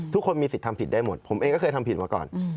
ทุกคนมีสิทธิ์ทำผิดได้หมดผมเองก็เคยทำผิดมาก่อน